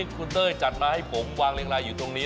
คุณเต้ยจัดมาให้ผมวางเรียงลายอยู่ตรงนี้